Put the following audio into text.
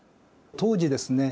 当時ですね